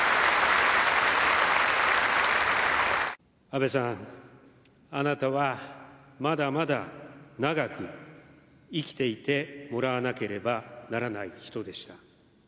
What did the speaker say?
安倍さん、あなたはまだまだ長く生きていてもらわなければならない人でした。